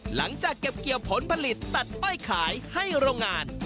หลังจากเก็บเกี่ยวผลผลิตตัดอ้อยขายให้โรงงาน